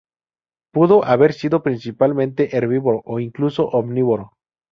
Pudo haber sido principalmente herbívoro o incluso omnívoro.